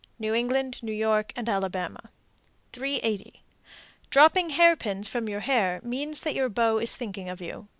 New England, New York, and Alabama. 380. Dropping hairpins from your hair means that your beau is thinking of you.